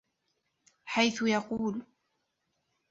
حَيْثُ يَقُولُ